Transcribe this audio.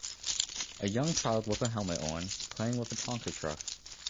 A young child with a helmet on playing with a Tonka truck